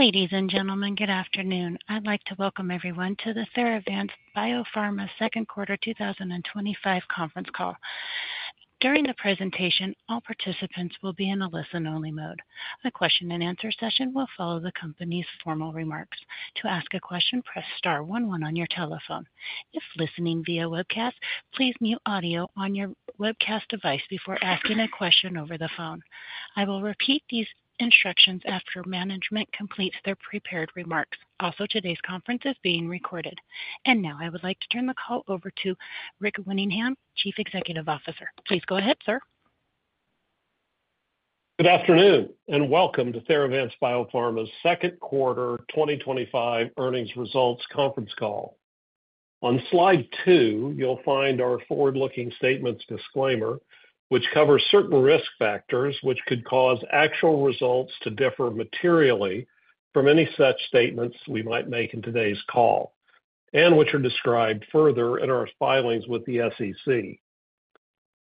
Ladies and gentlemen, good afternoon. I'd like to welcome everyone to the Theravance Biopharma Second Quarter 2025 Conference Call. During the presentation, all participants will be in a listen-only mode. The question and answer session will follow the company's formal remarks. To ask a question, press star one one on your telephone. If listening via webcast, please mute audio on your webcast device before asking a question over the phone. I will repeat these instructions after management completes their prepared remarks. Also, today's conference is being recorded. I would like to turn the call over to Rick Winningham, Chief Executive Officer. Please go ahead, sir. Good afternoon and welcome to Theravance Biopharma's Second Quarter 2025 Earnings Results Conference Call. On Slide 2, you'll find our forward-looking statements disclaimer, which covers certain risk factors which could cause actual results to differ materially from any such statements we might make in today's call and which are described further in our filings with the SEC.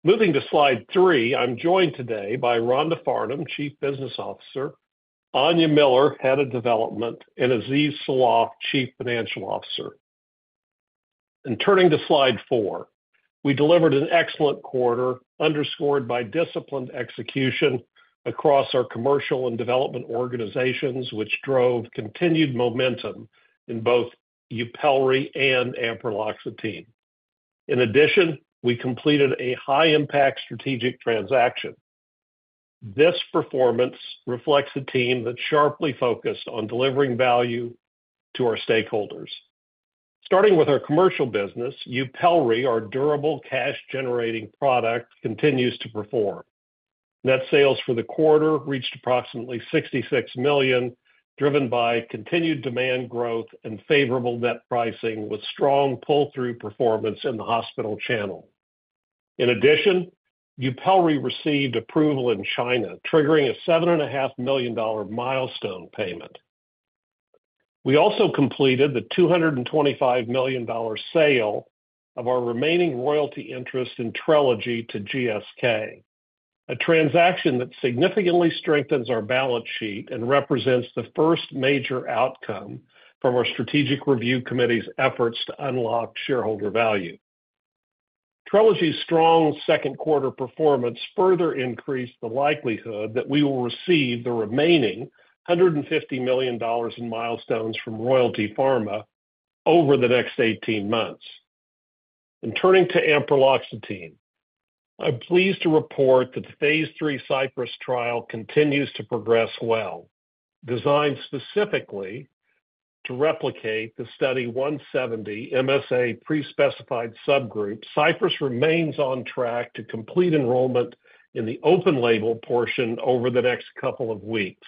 Moving to Slide 3, I'm joined today by Rhonda Farnum, Chief Business Officer, Aine Miller, Head of Development, and Aziz Sawaf, Chief Financial Officer. Turning to Slide 4, we delivered an excellent quarter underscored by disciplined execution across our commercial and development organizations, which drove continued momentum in both YUPELRI and ampreloxetine. In addition, we completed a high-impact strategic transaction. This performance reflects a team that is sharply focused on delivering value to our stakeholders. Starting with our commercial business, YUPELRI, our durable cash-generating product, continues to perform. Net sales for the quarter reached approximately $66 million, driven by continued demand growth and favorable net pricing, with strong pull-through performance in the hospital channel. In addition, YUPELRI received approval in China, triggering a $7.5 million milestone payment. We also completed the $225 million sale of our remaining royalty interest in Trelegy to GSK, a transaction that significantly strengthens our balance sheet and represents the first major outcome from our strategic review committee's efforts to unlock shareholder value. Trelegy's strong second quarter performance further increased the likelihood that we will receive the remaining $150 million in milestones from Royalty Pharma over the next 18 months. Turning to ampreloxetine, I'm pleased to report that the Phase III CYPRESS trial continues to progress well, designed specifically to replicate the Redwood (Study 0170) MSA pre-specified subgroup. CYPRESS remains on track to complete enrollment in the open-label portion over the next couple of weeks,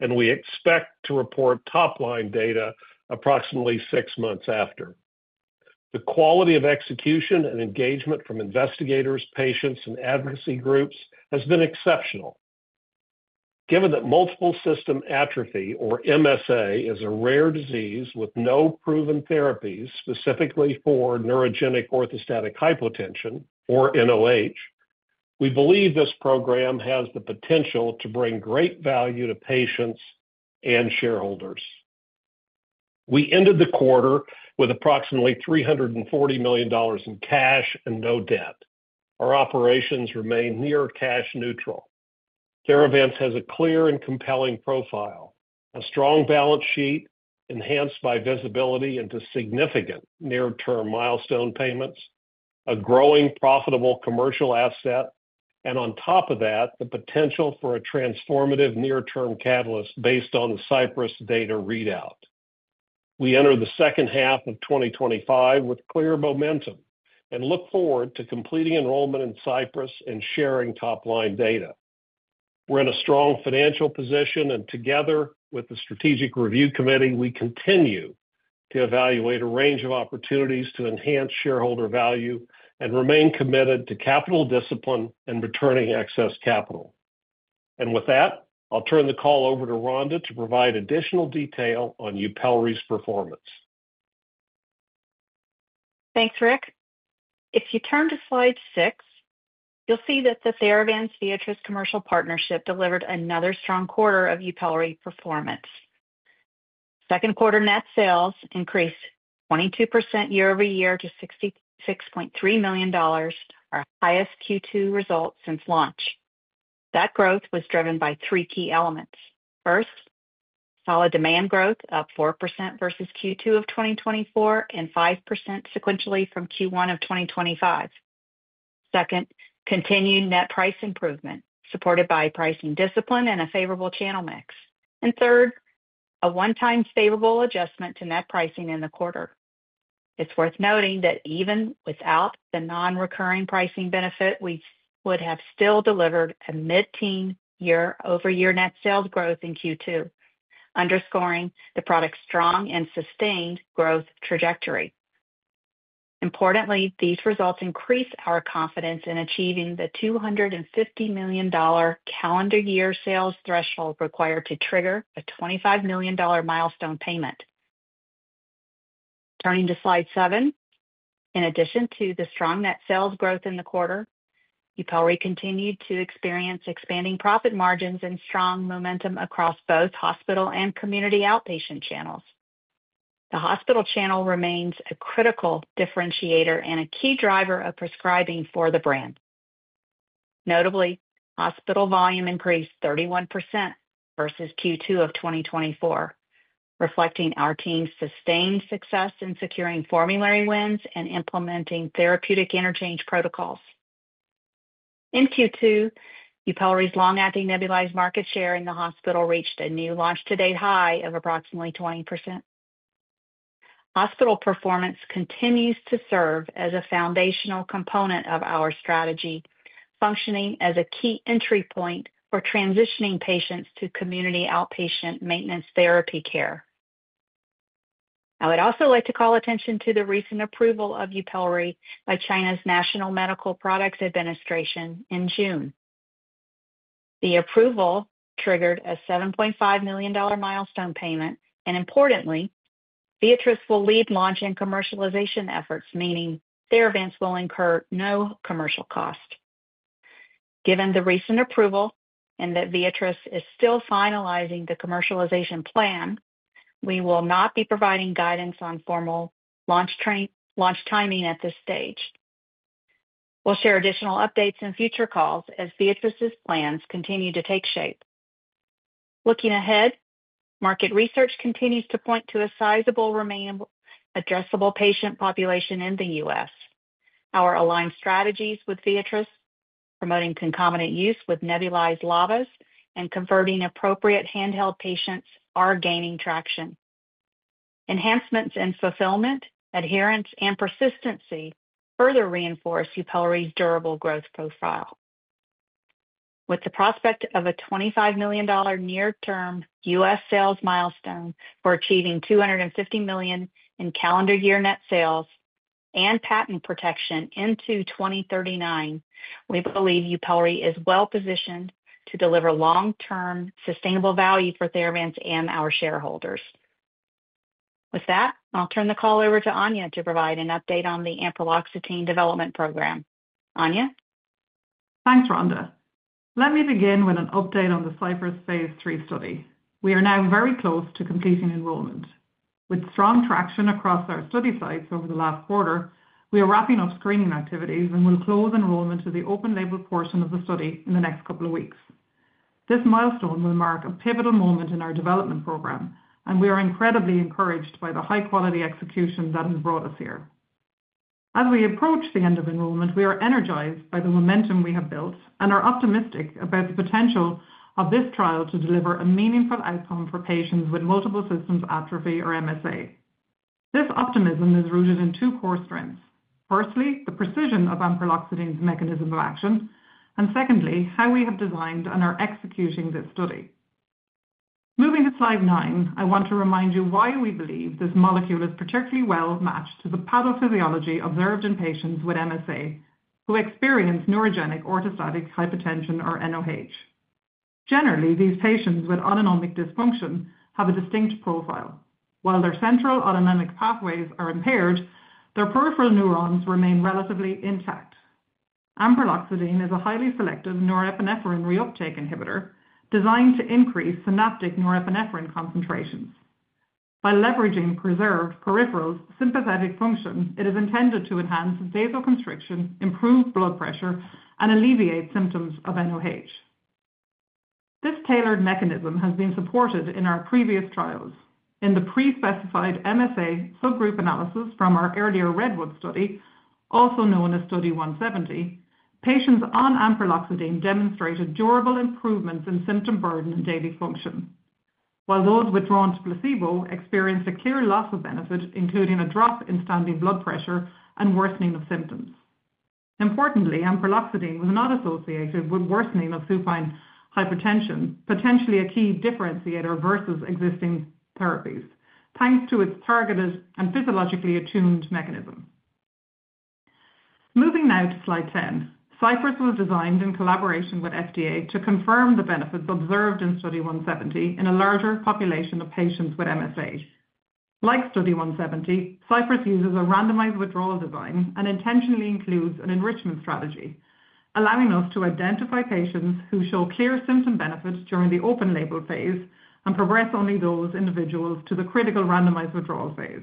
and we expect to report top-line data approximately six months after. The quality of execution and engagement from investigators, patients, and advocacy groups has been exceptional. Given that multiple system atrophy, or MSA, is a rare disease with no proven therapies specifically for neurogenic orthostatic hypotension, or NOH, we believe this program has the potential to bring great value to patients and shareholders. We ended the quarter with approximately $340 million in cash and no debt. Our operations remain near cash neutral. Theravance Biopharma has a clear and compelling profile, a strong balance sheet enhanced by visibility into significant near-term milestone payments, a growing profitable commercial asset, and on top of that, the potential for a transformative near-term catalyst based on the CYPRESS data readout. We enter the second half of 2025 with clear momentum and look forward to completing enrollment in CYPRESS and sharing top-line data. We're in a strong financial position, and together with the strategic review committee, we continue to evaluate a range of opportunities to enhance shareholder value and remain committed to capital discipline and returning excess capital. With that, I'll turn the call over to Rhonda to provide additional detail on YUPELRI's performance. Thanks, Rick. If you turn to Slide 6, you'll see that the Theravance and Viatris commercial partnership delivered another strong quarter of YUPELRI performance. Second quarter net sales increased 22% year over year to $66.3 million, our highest Q2 result since launch. That growth was driven by three key elements. First, solid demand growth, up 4% versus Q2 of 2024 and 5% sequentially from Q1 of 2025. Second, continued net price improvement supported by pricing discipline and a favorable channel mix. Third, a one-time favorable adjustment to net pricing in the quarter. It's worth noting that even without the non-recurring pricing benefit, we would have still delivered a mid-teens year-over-year net sales growth in Q2, underscoring the product's strong and sustained growth trajectory. Importantly, these results increase our confidence in achieving the $250 million calendar year sales threshold required to trigger a $25 million milestone payment. Turning to Slide 7, in addition to the strong net sales growth in the quarter, YUPELRI continued to experience expanding profit margins and strong momentum across both hospital and community outpatient channels. The hospital channel remains a critical differentiator and a key driver of prescribing for the brand. Notably, hospital volume increased 31% versus Q2 of 2024, reflecting our team's sustained success in securing formulary wins and implementing therapeutic interchange protocols. In Q2, YUPELRI's long-acting nebulized market share in the hospital reached a new launch-to-date high of approximately 20%. Hospital performance continues to serve as a foundational component of our strategy, functioning as a key entry point for transitioning patients to community outpatient maintenance therapy care. I would also like to call attention to the recent approval of YUPELRI by China's National Medical Products Administration in June. The approval triggered a $7.5 million milestone payment, and importantly, Viatris will lead launch and commercialization efforts, meaning Theravance will incur no commercial cost. Given the recent approval and that Viatris is still finalizing the commercialization plan, we will not be providing guidance on formal launch timing at this stage. We'll share additional updates in future calls as Viatris' plans continue to take shape. Looking ahead, market research continues to point to a sizable, remainable, addressable patient population in the United States. Our aligned strategies with Viatris, promoting concomitant use with nebulized LAVAs and converting appropriate handheld patients, are gaining traction. Enhancements in fulfillment, adherence, and persistency further reinforce YUPELRI's durable growth profile. With the prospect of a $25 million near-term U.S. sales milestone for achieving $250 million in calendar year net sales and patent protection into 2039, we believe YUPELRI is well positioned to deliver long-term sustainable value for Theravance and our shareholders. With that, I'll turn the call over to Aine to provide an update on the ampreloxetine development program. Aine. Thanks, Rhonda. Let me begin with an update on the CYPRESS Phase III study. We are now very close to completing enrollment. With strong traction across our study sites over the last quarter, we are wrapping up screening activities and will close enrollment to the open-label portion of the study in the next couple of weeks. This milestone will mark a pivotal moment in our development program, and we are incredibly encouraged by the high-quality execution that has brought us here. As we approach the end of enrollment, we are energized by the momentum we have built and are optimistic about the potential of this trial to deliver a meaningful outcome for patients with multiple system atrophy or MSA. This optimism is rooted in two core strengths. Firstly, the precision of ampreloxetine's mechanism of action, and secondly, how we have designed and are executing this study. Moving to Slide 9, I want to remind you why we believe this molecule is particularly well matched to the pathophysiology observed in patients with MSA, who experience neurogenic orthostatic hypotension or NOH. Generally, these patients with autonomic dysfunction have a distinct profile. While their central autonomic pathways are impaired, their peripheral neurons remain relatively intact. Ampreloxetine is a highly selective norepinephrine reuptake inhibitor designed to increase synaptic norepinephrine concentrations. By leveraging preserved peripheral sympathetic function, it is intended to enhance vasoconstriction, improve blood pressure, and alleviate symptoms of NOH. This tailored mechanism has been supported in our previous trials. In the pre-specified MSA subgroup analysis from our earlier Redwood (Study 0170) trial, patients on ampreloxetine demonstrated durable improvements in symptom burden and daily function. While those withdrawn to placebo experienced a clear loss of benefit, including a drop in standing blood pressure and worsening of symptoms. Importantly, ampreloxetine was not associated with worsening of supine hypertension, potentially a key differentiator versus existing therapies, thanks to its targeted and physiologically attuned mechanism. Moving now to Slide 10, CYPRESS was designed in collaboration with FDA to confirm the benefits observed in Study 0170 in a larger population of patients with MSA. Like Study 0170, CYPRESS uses a randomized withdrawal design and intentionally includes an enrichment strategy, allowing us to identify patients who show clear symptom benefits during the open-label phase and progress only those individuals to the critical randomized withdrawal phase.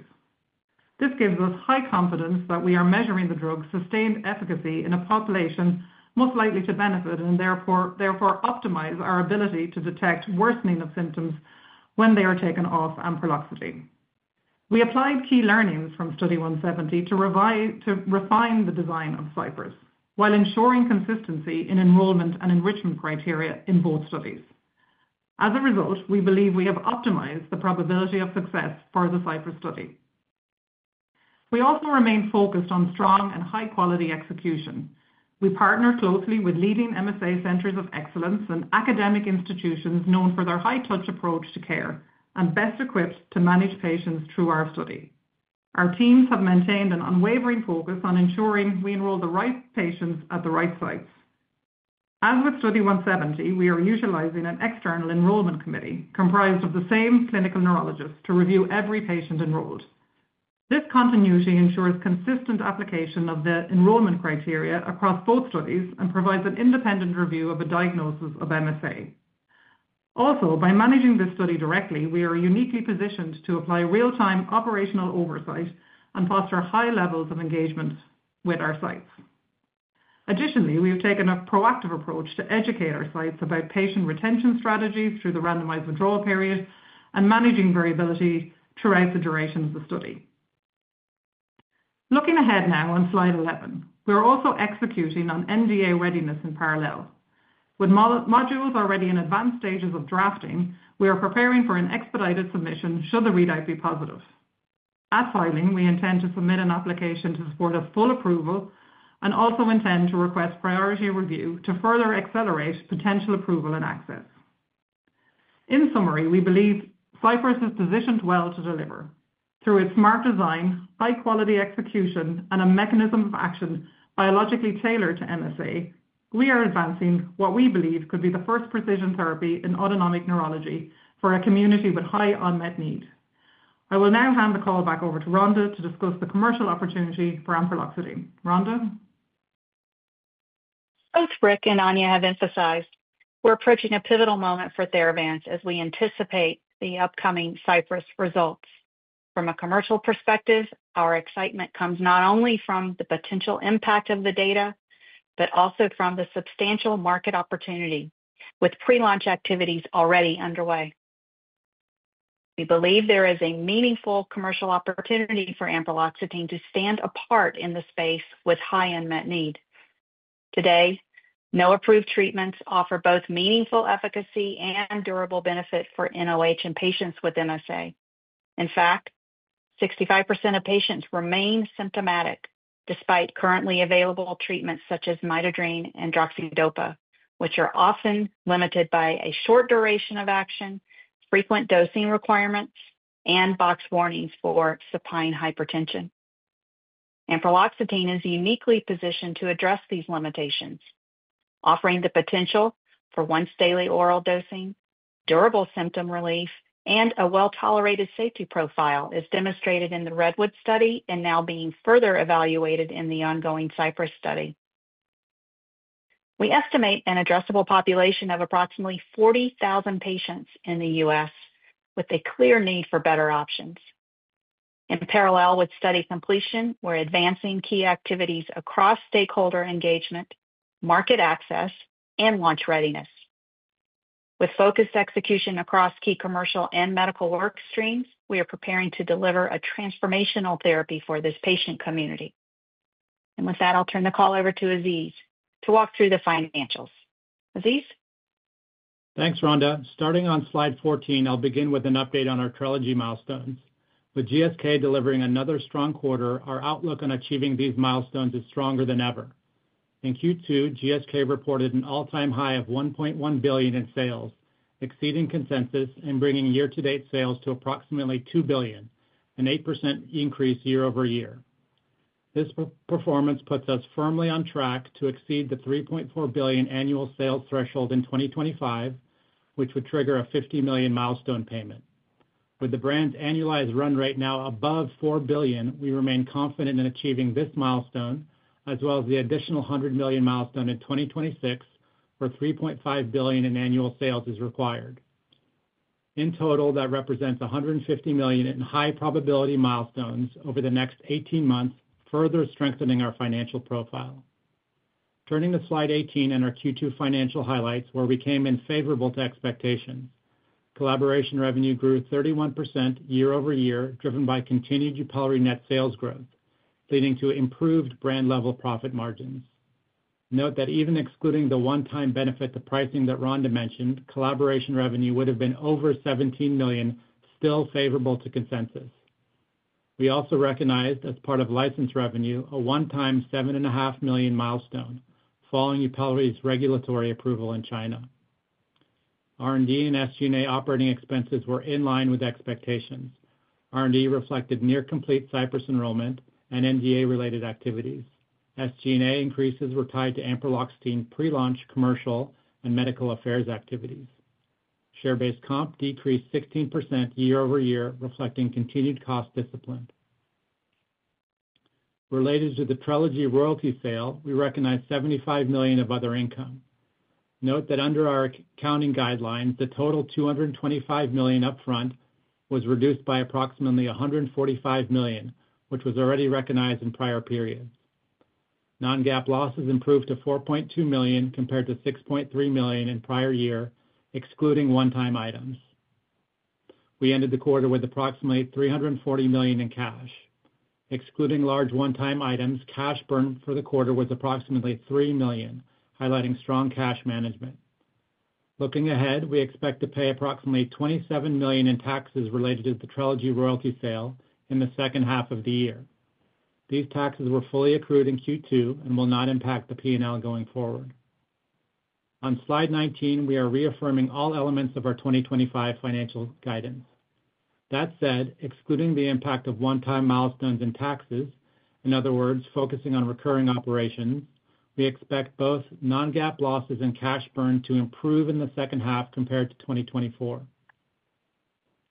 This gives us high confidence that we are measuring the drug's sustained efficacy in a population most likely to benefit and therefore optimize our ability to detect worsening of symptoms when they are taken off ampreloxetine. We applied key learnings from Study 0170 to refine the design of CYPRESS while ensuring consistency in enrollment and enrichment criteria in both studies. As a result, we believe we have optimized the probability of success for the CYPRESS study. We also remain focused on strong and high-quality execution. We partner closely with leading MSA centers of excellence and academic institutions known for their high-touch approach to care and best equipped to manage patients through our study. Our teams have maintained an unwavering focus on ensuring we enroll the right patients at the right sites. As with Study 0170, we are utilizing an external enrollment committee comprised of the same clinical neurologists to review every patient enrolled. This continuity ensures consistent application of the enrollment criteria across both studies and provides an independent review of the diagnosis of MSA. Also, by managing this study directly, we are uniquely positioned to apply real-time operational oversight and foster high levels of engagement with our sites. Additionally, we have taken a proactive approach to educate our sites about patient retention strategies through the randomized withdrawal period and managing variability throughout the duration of the study. Looking ahead now on Slide 11, we're also executing on NDA readiness in parallel. With modules already in advanced stages of drafting, we are preparing for an expedited submission should the readout be positive. At filing, we intend to submit an application to support a full approval and also intend to request priority review to further accelerate potential approval and access. In summary, we believe CYPRESS is positioned well to deliver. Through its smart design, high-quality execution, and a mechanism of action biologically tailored to MSA, we are advancing what we believe could be the first precision therapy in autonomic neurology for a community with high unmet need. I will now hand the call back over to Rhonda to discuss the commercial opportunity for ampreloxetine. Rhonda. Both Rick and Aine have emphasized we're approaching a pivotal moment for Theravance Biopharma as we anticipate the upcoming CYPRESS results. From a commercial perspective, our excitement comes not only from the potential impact of the data, but also from the substantial market opportunity with pre-launch activities already underway. We believe there is a meaningful commercial opportunity for ampreloxetine to stand apart in the space with high unmet need. Today, no approved treatments offer both meaningful efficacy and durable benefit for neurogenic orthostatic hypotension in patients with multiple system atrophy. In fact, 65% of patients remain symptomatic despite currently available treatments such as midodrine and droxidopa, which are often limited by a short duration of action, frequent dosing requirements, and box warnings for supine hypertension. Ampreloxetine is uniquely positioned to address these limitations, offering the potential for once-daily oral dosing, durable symptom relief, and a well-tolerated safety profile as demonstrated in the Redwood (Study 0170) trial and now being further evaluated in the ongoing CYPRESS trial. We estimate an addressable population of approximately 40,000 patients in the United States, with a clear need for better options. In parallel with study completion, we're advancing key activities across stakeholder engagement, market access, and launch readiness. With focused execution across key commercial and medical work streams, we are preparing to deliver a transformational therapy for this patient community. I'll turn the call over to Aziz to walk through the financials. Aziz. Thanks, Rhonda. Starting on Slide 14, I'll begin with an update on our Trelegy milestones. With GSK delivering another strong quarter, our outlook on achieving these milestones is stronger than ever. In Q2, GSK reported an all-time high of $1.1 billion in sales, exceeding consensus and bringing year-to-date sales to approximately $2 billion, an 8% increase year-over-year. This performance puts us firmly on track to exceed the $3.4 billion annual sales threshold in 2025, which would trigger a $50 million milestone payment. With the brand's annualized run rate now above $4 billion, we remain confident in achieving this milestone, as well as the additional $100 million milestone in 2026, where $3.5 billion in annual sales is required. In total, that represents $150 million in high-probability milestones over the next 18 months, further strengthening our financial profile. Turning to Slide 18 and our Q2 financial highlights, where we came in favorable to expectations, collaboration revenue grew 31% year-over-year, driven by continued YUPELRI net sales growth, leading to improved brand-level profit margins. Note that even excluding the one-time benefit to pricing that Rhonda mentioned, collaboration revenue would have been over $17 million, still favorable to consensus. We also recognized, as part of license revenue, a one-time $7.5 million milestone, following YUPELRI's regulatory approval in China. R&D and SG&A operating expenses were in line with expectations. R&D reflected near-complete CYPRESS enrollment and NDA-related activities. SG&A increases were tied to ampreloxetine's pre-launch commercial and medical affairs activities. Share-based comp decreased 16% year-over-year, reflecting continued cost discipline. Related to the Trelegy royalty sale, we recognized $75 million of other income. Note that under our accounting guidelines, the total $225 million upfront was reduced by approximately $145 million, which was already recognized in prior periods. Non-GAAP losses improved to $4.2 million compared to $6.3 million in prior year, excluding one-time items. We ended the quarter with approximately $340 million in cash. Excluding large one-time items, cash burn for the quarter was approximately $3 million, highlighting strong cash management. Looking ahead, we expect to pay approximately $27 million in taxes related to the Trelegy royalty sale in the second half of the year. These taxes were fully accrued in Q2 and will not impact the P&L going forward. On Slide 19, we are reaffirming all elements of our 2025 financial guidance. That said, excluding the impact of one-time milestones and taxes, in other words, focusing on recurring operations, we expect both non-GAAP losses and cash burn to improve in the second half compared to 2024.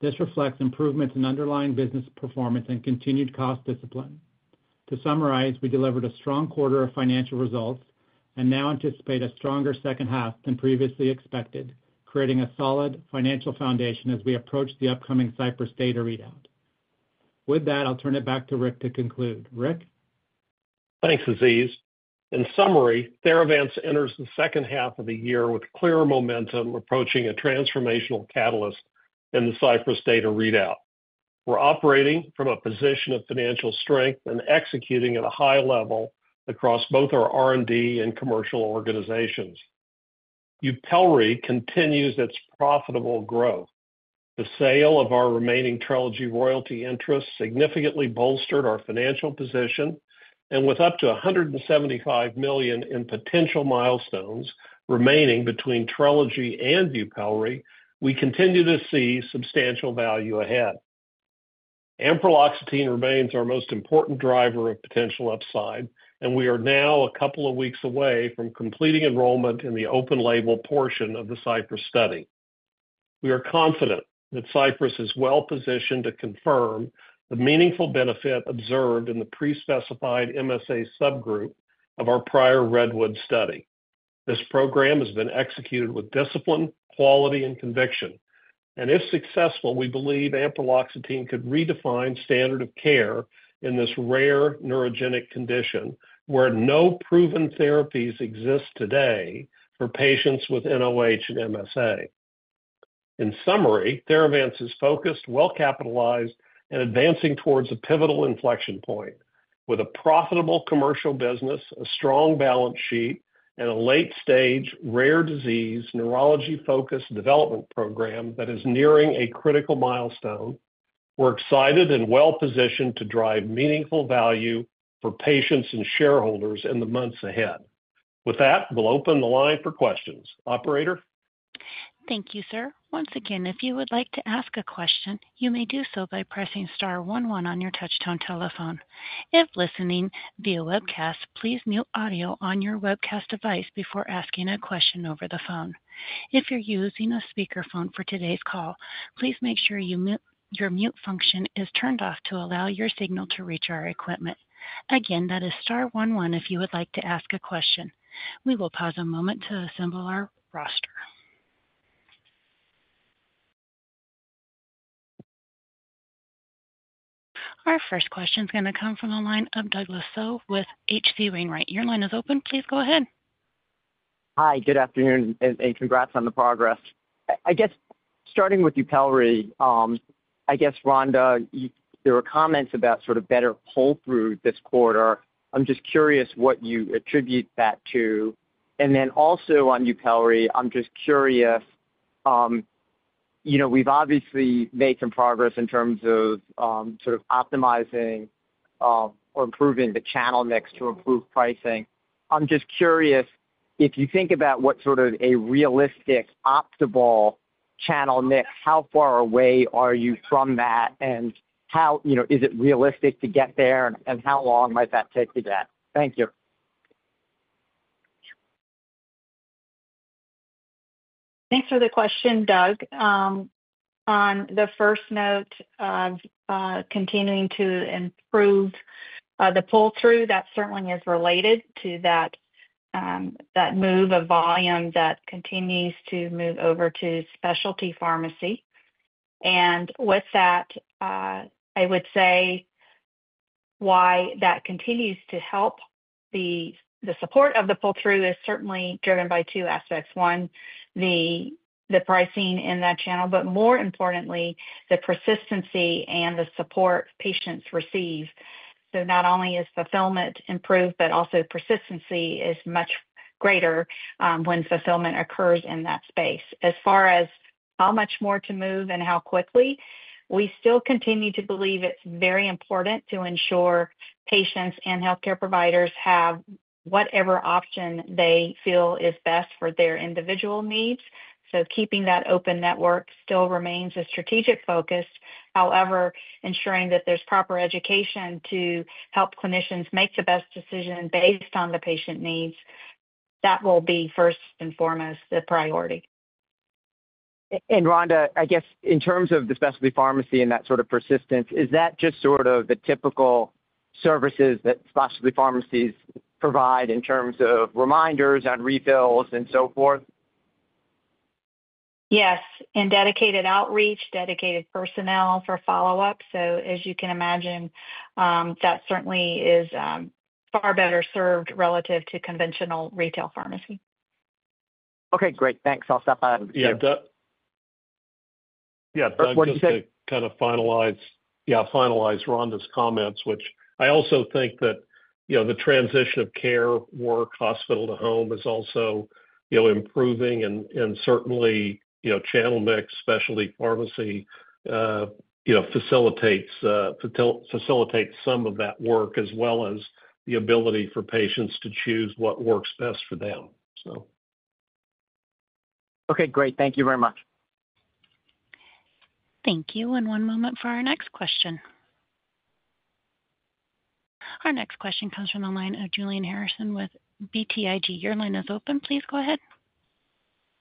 This reflects improvements in underlying business performance and continued cost discipline. To summarize, we delivered a strong quarter of financial results and now anticipate a stronger second half than previously expected, creating a solid financial foundation as we approach the upcoming CYPRESS data readout. With that, I'll turn it back to Rick to conclude. Rick? Thanks, Aziz. In summary, Theravance enters the second half of the year with clear momentum approaching a transformational catalyst in the CYPRESS data readout. We're operating from a position of financial strength and executing at a high level across both our R&D and commercial organizations. YUPELRI continues its profitable growth. The sale of our remaining Trelegy royalty interest significantly bolstered our financial position, and with up to $175 million in potential milestones remaining between Trelegy and YUPELRI, we continue to see substantial value ahead. Ampreloxetine remains our most important driver of potential upside, and we are now a couple of weeks away from completing enrollment in the open-label portion of the CYPRESS study. We are confident that CYPRESS is well positioned to confirm the meaningful benefit observed in the pre-specified MSA subgroup of our prior Redwood (Study 0170). This program has been executed with discipline, quality, and conviction, and if successful, we believe ampreloxetine could redefine standard of care in this rare neurogenic condition where no proven therapies exist today for patients with NOH and MSA. In summary, Theravance is focused, well capitalized, and advancing towards a pivotal inflection point with a profitable commercial business, a strong balance sheet, and a late-stage, rare disease, neurology-focused development program that is nearing a critical milestone. We're excited and well positioned to drive meaningful value for patients and shareholders in the months ahead. With that, we'll open the line for questions. Operator. Thank you, sir. Once again, if you would like to ask a question, you may do so by pressing star one one on your touch-tone telephone. If listening via webcast, please mute audio on your webcast device before asking a question over the phone. If you're using a speakerphone for today's call, please make sure your mute function is turned off to allow your signal to reach our equipment. Again, that is star one one if you would like to ask a question. We will pause a moment to assemble our roster. Our first question is going to come from the line of Douglas Tsao with H.C. Wainwright. Your line is open. Please go ahead. Hi, good afternoon, and congrats on the progress. I guess starting with YUPELRI, Rhonda, there were comments about sort of better pull-through this quarter. I'm just curious what you attribute that to. Also on YUPELRI, I'm just curious, you know, we've obviously made some progress in terms of sort of optimizing or improving the channel mix to improve pricing. I'm just curious, if you think about what sort of a realistic optimal channel mix, how far away are you from that and how, you know, is it realistic to get there and how long might that take to get? Thank you. Thanks for the question, Doug. On the first note of continuing to improve the pull-through, that certainly is related to that move of volume that continues to move over to specialty pharmacy. With that, I would say why that continues to help. The support of the pull-through is certainly driven by two aspects. One, the pricing in that channel, but more importantly, the persistency and the support patients receive. Not only is fulfillment improved, but also persistency is much greater when fulfillment occurs in that space. As far as how much more to move and how quickly, we still continue to believe it's very important to ensure patients and healthcare providers have whatever option they feel is best for their individual needs. Keeping that open network still remains a strategic focus. However, ensuring that there's proper education to help clinicians make the best decision based on the patient needs, that will be first and foremost the priority. And Rhonda, I guess in terms of the specialty pharmacy and that sort of persistence, is that just the typical services that specialty pharmacies provide in terms of reminders on refills and so forth? Yes, and dedicated outreach, dedicated personnel for follow-up. As you can imagine, that certainly is far better served relative to conventional retail pharmacy. Okay, great. Thanks. I'll stop by-- Yeah, Doug, to kind of finalize Rhonda's comments, I also think that the transition of care work hospital to home is also improving and certainly channel mix specialty pharmacy facilitates some of that work as well as the ability for patients to choose what works best for them. Okay, great. Thank you very much. Thank you. One moment for our next question. Our next question comes from the line of Julian Harrison with BTIG. Your line is open. Please go ahead.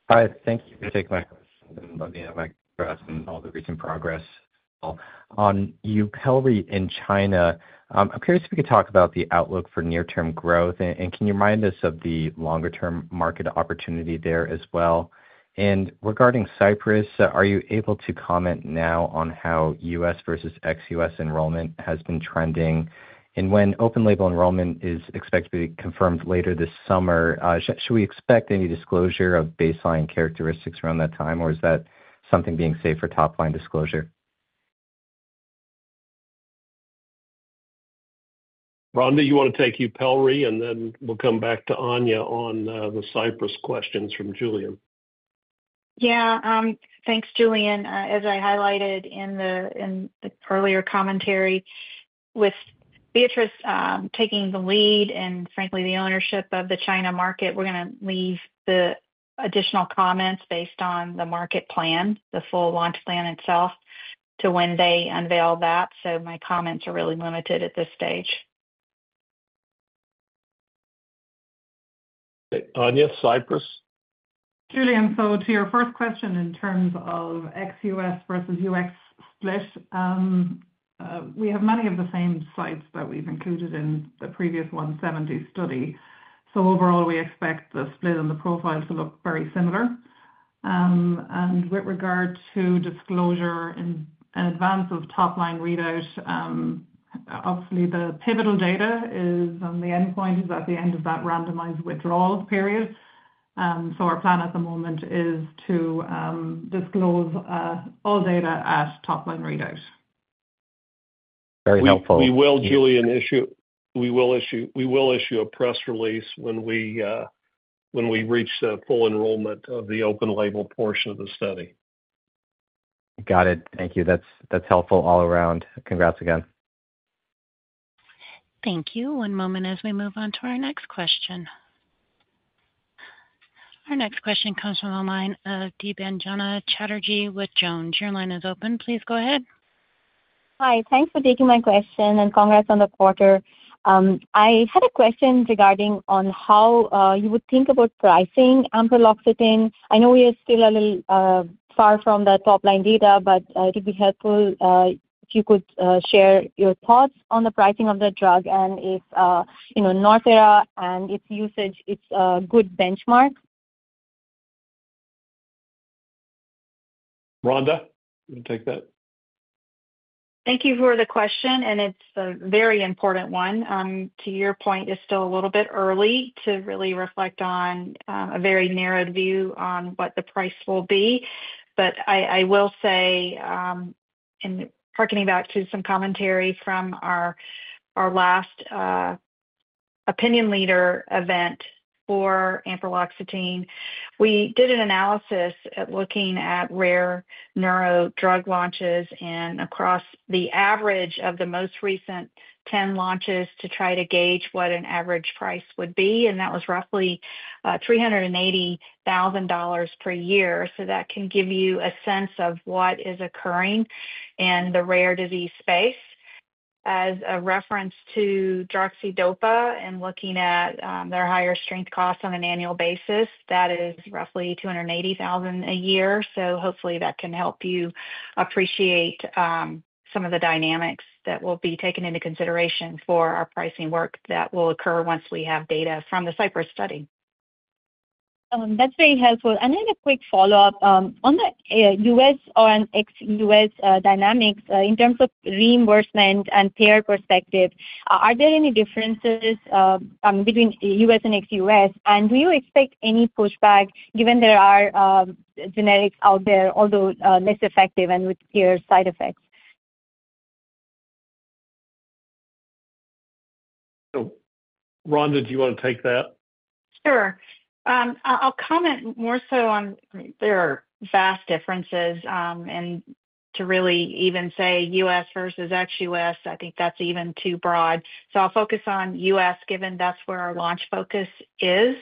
Hi, thank you for taking my question. Let me have my address and all the recent progress. On YUPELRI in China, I'm curious if we could talk about the outlook for near-term growth, and can you remind us of the longer-term market opportunity there as well? Regarding CYPRESS, are you able to comment now on how U.S. versus ex-U.S. enrollment has been trending? When open-label enrollment is expected to be confirmed later this summer, should we expect any disclosure of baseline characteristics around that time, or is that something being saved for top-line disclosure? Rhonda, you want to take YUPELRI and then we'll come back to Aine on the CYPRESS questions from Julian. Yeah, thanks, Julian. As I highlighted in the earlier commentary, with Viatris taking the lead and frankly the ownership of the China market, we're going to leave the additional comments based on the market plan, the full launch plan itself, to when they unveil that. My comments are really limited at this stage. Aine, Cypress. Julian, to your first question in terms of ex-U.S. versus U.S. split, we have many of the same sites that we've included in the previous Redwood (Study 0170) trial. Overall, we expect the split and the profile to look very similar. With regard to disclosure in advance of top-line readout, obviously the pivotal data is on the endpoint at the end of that randomized withdrawal period. Our plan at the moment is to disclose all data at top-line readout. Very helpful. We will issue a press release when we reach the full enrollment of the open-label portion of the study. Got it. Thank you. That's helpful all around. Congrats again. Thank you. One moment as we move on to our next question. Our next question comes from the line of Debanjana Chatterjee with Jones. Your line is open. Please go ahead. Hi, thanks for taking my question and congrats on the quarter. I had a question regarding how you would think about pricing ampreloxetine. I know we are still a little far from the top-line data, but it would be helpful if you could share your thoughts on the pricing of the drug and if Northera and its usage is a good benchmark. Rhonda, you can take that. Thank you for the question, and it's a very important one. To your point, it's still a little bit early to really reflect on a very narrow view on what the price will be. I will say, harkening back to some commentary from our last opinion leader event for ampreloxetine, we did an analysis looking at rare neuro drug launches and across the average of the most recent 10 launches to try to gauge what an average price would be. That was roughly $380,000 per year. That can give you a sense of what is occurring in the rare disease space. As a reference to droxidopa and looking at their higher strength cost on an annual basis, that is roughly $280,000 a year. Hopefully that can help you appreciate some of the dynamics that will be taken into consideration for our pricing work that will occur once we have data from the CYPRESS study. That's very helpful. I had a quick follow-up on the U.S. or ex-U.S. dynamics in terms of reimbursement and payer perspective. Are there any differences between U.S. and ex-U.S., and do you expect any pushback given there are generics out there, although less effective and with fewer side effects? Rhonda, do you want to take that? Sure. I'll comment more so on there are vast differences. To really even say U.S. versus ex-U.S., I think that's even too broad. I'll focus on U.S. given that's where our launch focus is.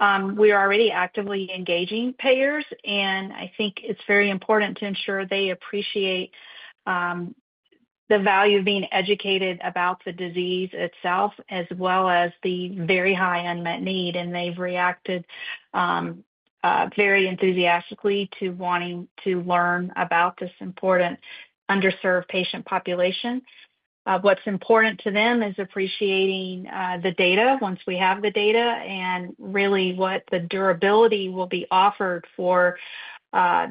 We are already actively engaging payers, and I think it's very important to ensure they appreciate the value of being educated about the disease itself, as well as the very high unmet need. They've reacted very enthusiastically to wanting to learn about this important underserved patient population. What's important to them is appreciating the data once we have the data and really what the durability will be offered for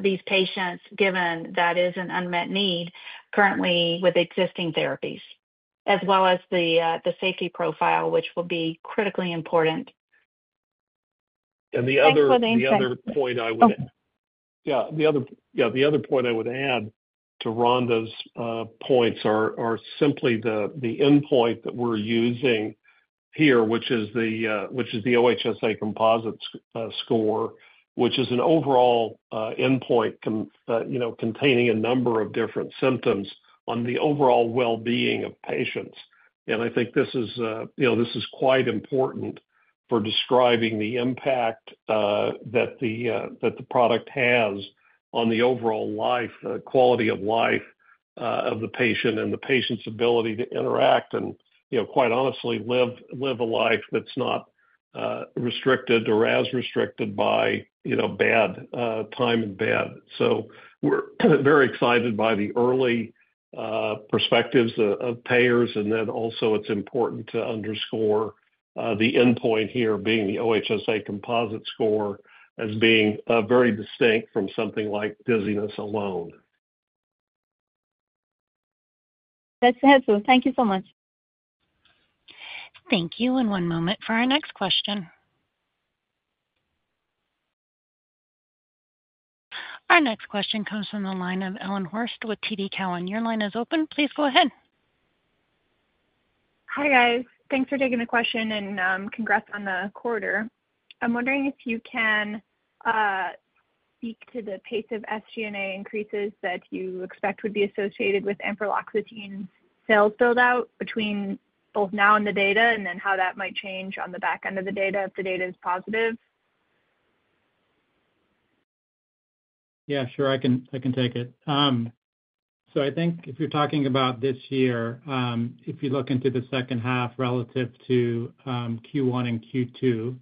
these patients, given that is an unmet need currently with existing therapies, as well as the safety profile, which will be critically important. The other point I would add to Rhonda's points is simply the endpoint that we're using here, which is the OHSA composite score, which is an overall endpoint containing a number of different symptoms on the overall well-being of patients. I think this is quite important for describing the impact that the product has on the overall life, the quality of life of the patient, and the patient's ability to interact and, quite honestly, live a life that's not restricted or as restricted by bad time in bed. We're very excited by the early perspectives of payers, and it's important to underscore the endpoint here being the OHSA composite score as being very distinct from something like dizziness alone. That's helpful. Thank you so much. Thank you. One moment for our next question. Our next question comes from the line of Ellen Horste with TD Cowen. Your line is open. Please go ahead. Hi guys, thanks for taking the question and congrats on the quarter. I'm wondering if you can speak to the pace of SG&A increases that you expect would be associated with ampreloxetine sales buildout between both now and the data and then how that might change on the back end of the data if the data is positive. Yeah, sure, I can take it. If you're talking about this year, if you look into the second half relative to Q1 and Q2,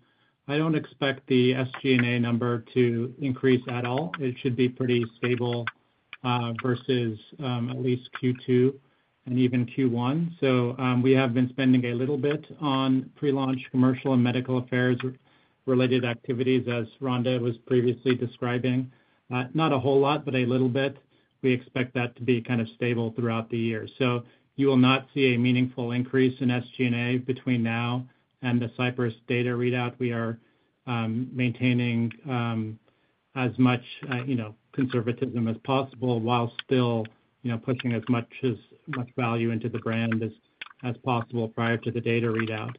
I don't expect the SG&A number to increase at all. It should be pretty stable versus at least Q2 and even Q1. We have been spending a little bit on pre-launch commercial and medical affairs-related activities, as Rhonda was previously describing. Not a whole lot, but a little bit. We expect that to be kind of stable throughout the year. You will not see a meaningful increase in SG&A between now and the CYPRESS data readout. We are maintaining as much conservatism as possible while still pushing as much value into the brand as possible prior to the data readout.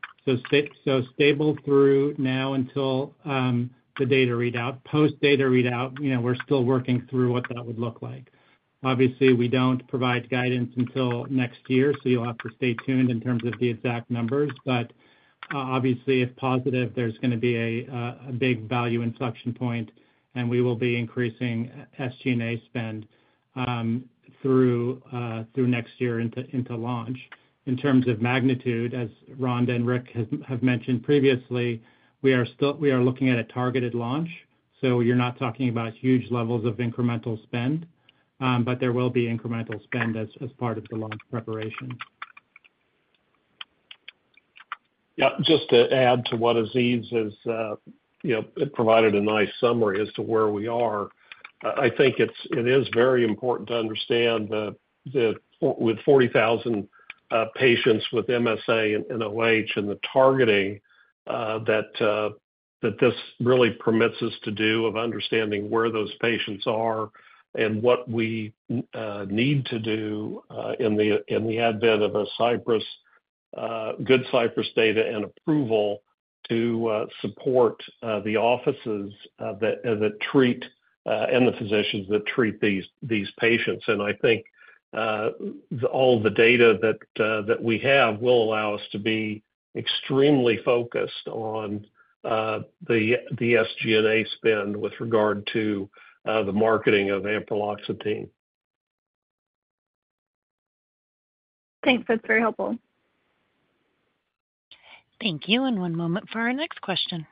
Stable through now until the data readout. Post-data readout, we're still working through what that would look like. Obviously, we don't provide guidance until next year, so you'll have to stay tuned in terms of the exact numbers. Obviously, if positive, there's going to be a big value inflection point, and we will be increasing SG&A spend through next year into launch. In terms of magnitude, as Rhonda and Rick have mentioned previously, we are looking at a targeted launch. You're not talking about huge levels of incremental spend, but there will be incremental spend as part of the launch preparation. Yeah, just to add to what Aziz has provided, a nice summary as to where we are. I think it is very important to understand that with 40,000 patients with multiple system atrophy and neurogenic orthostatic hypotension and the targeting that this really permits us to do of understanding where those patients are and what we need to do in the advent of a good CYPRESS data and approval to support the offices that treat and the physicians that treat these patients. I think all of the data that we have will allow us to be extremely focused on the SG&A spend with regard to the marketing of ampreloxetine. Thanks, that's very helpful. Thank you. One moment for our next question.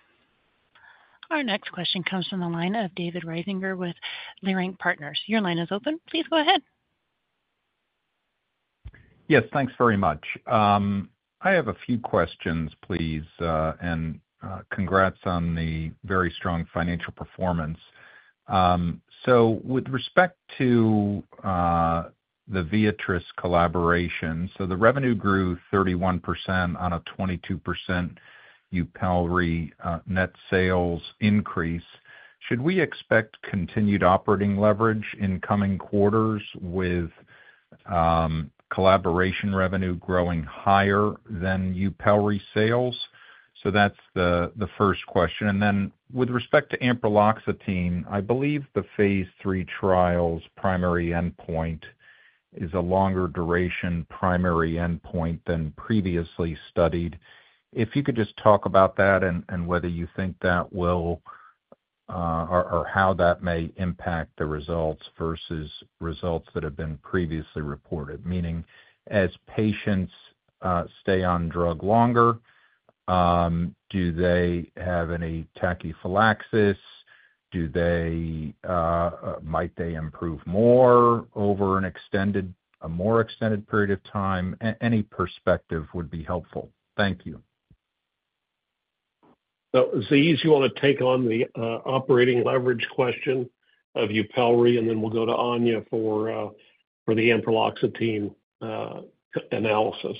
Our next question comes from the line of David Risinger with Leerink Partners. Your line is open. Please go ahead. Yes, thanks very much. I have a few questions, please, and congrats on the very strong financial performance. With respect to the Viatris collaboration, the revenue grew 31% on a 22% YUPELRI net sales increase. Should we expect continued operating leverage in coming quarters with collaboration revenue growing higher than YUPELRI sales? That's the first question. With respect to ampreloxetine, I believe the Phase III trial's primary endpoint is a longer duration primary endpoint than previously studied. If you could just talk about that and whether you think that will or how that may impact the results versus results that have been previously reported. Meaning, as patients stay on drug longer, do they have any tachyphylaxis? Might they improve more over a more extended period of time? Any perspective would be helpful. Thank you. Aziz, you want to take on the operating leverage question of YUPELRI, and then we'll go to Aine for the ampreloxetine analysis.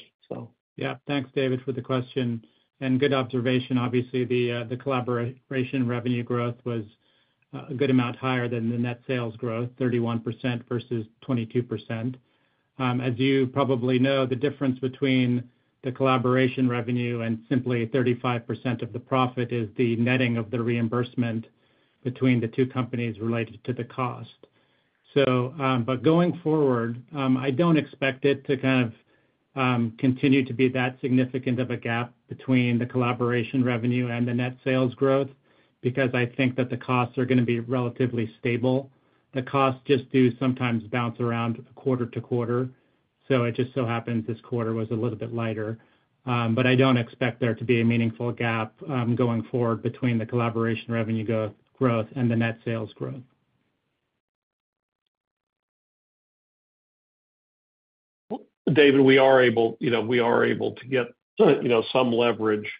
Yeah, thanks, David, for the question. Good observation. Obviously, the collaboration revenue growth was a good amount higher than the net sales growth, 31% versus 22%. As you probably know, the difference between the collaboration revenue and simply 35% of the profit is the netting of the reimbursement between the two companies related to the cost. Going forward, I don't expect it to continue to be that significant of a gap between the collaboration revenue and the net sales growth because I think that the costs are going to be relatively stable. The costs just do sometimes bounce around quarter to quarter. It just so happens this quarter was a little bit lighter. I don't expect there to be a meaningful gap going forward between the collaboration revenue growth and the net sales growth. David, we are able to get some leverage,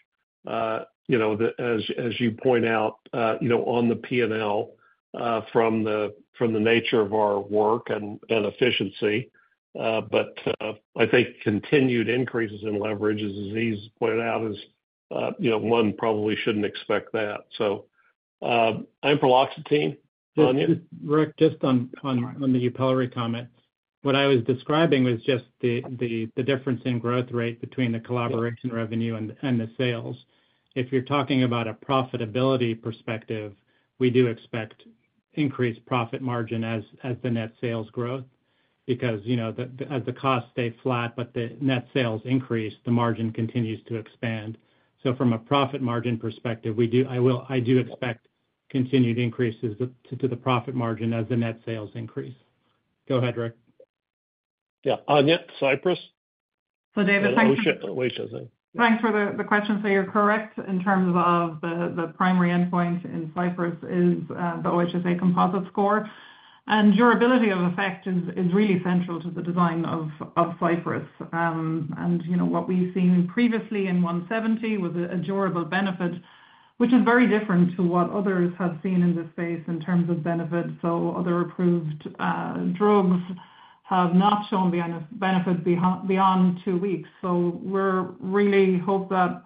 as you point out, on the P&L from the nature of our work and efficiency. I think continued increases in leverage, as Aziz pointed out, is one probably shouldn't expect that. So, ampreloxetine, Aine? Rick, just on the YUPELRI comment, what I was describing was just the difference in growth rate between the collaboration revenue and the sales. If you're talking about a profitability perspective, we do expect increased profit margin as the net sales grow because, you know, as the costs stay flat, but the net sales increase, the margin continues to expand. From a profit margin perspective, I do expect continued increases to the profit margin as the net sales increase. Go ahead, Rick. Yeah, Aine, CYPRESS. David, thanks for the question. You're correct in terms of the primary endpoint in CYPRESS is the OHSA composite score. Durability of effect is really central to the design of CYPRESS. What we've seen previously in the Redwood (Study 0170) trial was a durable benefit, which is very different to what others have seen in this space in terms of benefits. Other approved drugs have not shown benefits beyond two weeks. We really hope that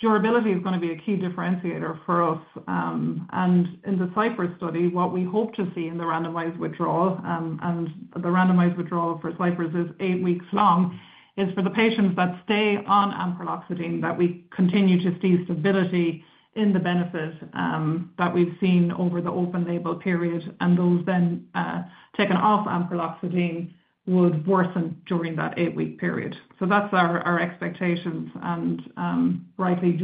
durability is going to be a key differentiator for us. In the CYPRESS study, what we hope to see in the randomized withdrawal, and the randomized withdrawal for CYPRESS is eight weeks long, is for the patients that stay on ampreloxetine that we continue to see stability in the benefit that we've seen over the open-label period. Those then taken off ampreloxetine would worsen during that eight-week period. That's our expectations. Durability is rightly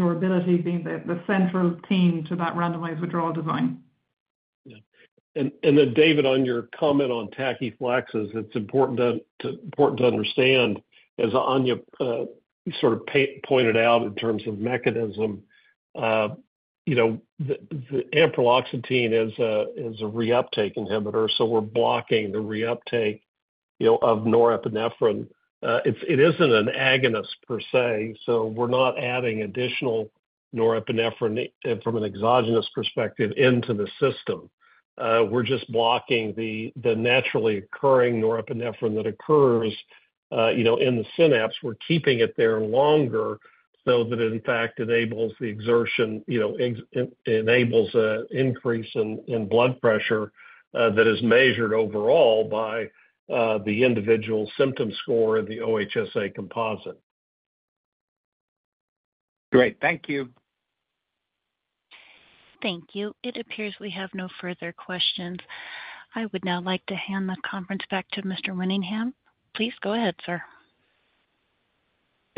the central theme to that randomized withdrawal design. Yeah. David, on your comment on tachyphylaxis, it's important to understand, as Aine sort of pointed out in terms of mechanism, you know, the ampreloxetine is a reuptake inhibitor. We're blocking the reuptake, you know, of norepinephrine. It isn't an agonist per se. We're not adding additional norepinephrine from an exogenous perspective into the system. We're just blocking the naturally occurring norepinephrine that occurs, you know, in the synapse. We're keeping it there longer so that it, in fact, enables the exertion, you know, enables an increase in blood pressure that is measured overall by the individual symptom score and the OHSA composite. Great. Thank you. Thank you. It appears we have no further questions. I would now like to hand the conference back to Mr. Winningham. Please go ahead, sir.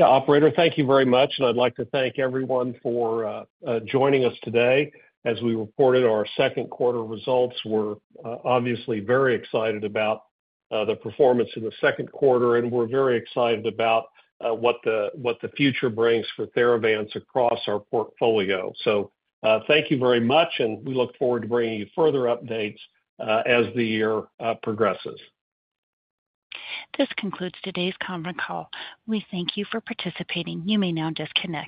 Operator, thank you very much. I'd like to thank everyone for joining us today. As we reported our second quarter results, we're obviously very excited about the performance in the second quarter, and we're very excited about what the future brings for Theravance across our portfolio. Thank you very much, and we look forward to bringing you further updates as the year progresses. This concludes today's conference call. We thank you for participating. You may now disconnect.